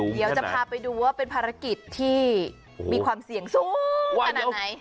เดี๋ยวจะพาไปดูว่าเป็นภารกิจที่มีความเสี่ยงสูงขนาดไหน